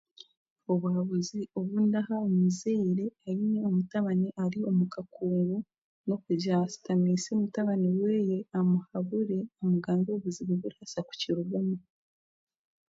Obuhabuzi obu ndaha omuzaire oine omutabani ari omu kakungu n'okugira asitaamiise mutabani weeye amuhabure amugambire ebizibu abaase kukirugamu